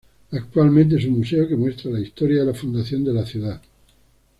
Actualmente es un museo que muestra la historia de la fundación de la ciudad.